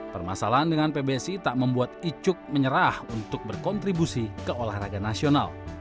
permasalahan dengan pbsi tak membuat icuk menyerah untuk berkontribusi ke olahraga nasional